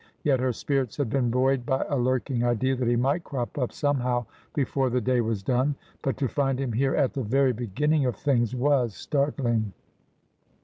Yet her spirits had been buoyed by a lurking idea that he might crop up somehow beiore the day was done. But to find him here at the very beginning of things was startling.